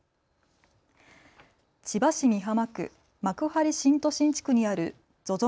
千葉市美浜区、幕張新都心地区にあるＺＯＺＯ